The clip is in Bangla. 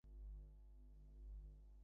তুমি যেভাবে জীবন রক্ষা করছো।